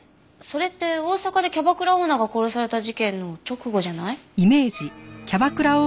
それって大阪でキャバクラオーナーが殺された事件の直後じゃない？